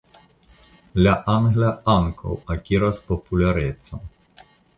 La angla ankaŭ akiras popularecon.